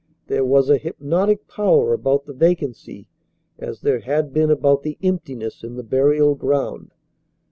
There was a hypnotic power about the vacancy as there had been about the emptiness in the burial ground.